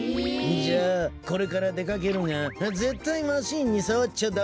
じゃあこれからでかけるがぜったいマシーンにさわっちゃダメなのだ。